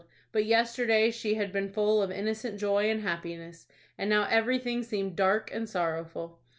But yesterday she had been full of innocent joy and happiness, and now everything seemed dark and sorrowful.